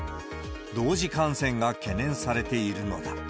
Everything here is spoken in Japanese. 同時感染が懸念されているのだ。